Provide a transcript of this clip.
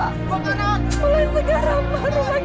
barulah kita kebakaran